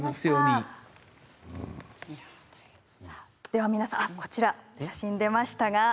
では皆さん、こちら写真が出ました。